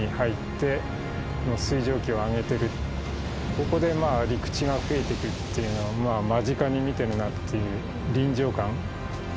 ここでまあ陸地がふえてくっていうのを間近に見てるなっていう臨場感。